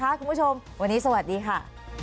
คุณผู้ชมวันนี้สวัสดีค่ะ